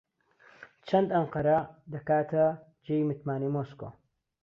چەند ئەنقەرە دەکاتە جێی متمانەی مۆسکۆ؟